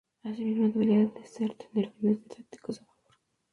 Asimismo debería ser tener fines didácticos a favor.